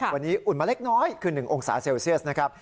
วันนี้อุ่นมาเล็กน้อยคือ๑องศาเซลเซียสนะครับ